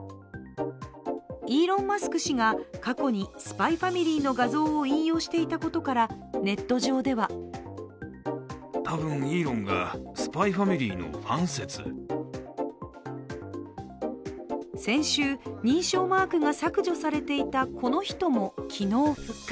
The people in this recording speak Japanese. イーロン・マスク氏が過去に「ＳＰＹ×ＦＡＭＩＬＹ」の画像を引用していたことからネット上では先週、認証マークが削除されていたこの人も昨日復活。